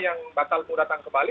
yang batal datang ke bali